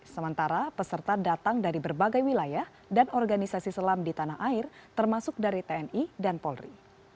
sementara peserta datang dari berbagai wilayah dan organisasi selam di tanah air termasuk dari tni dan polri